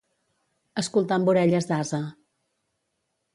Escoltar amb orelles d'ase.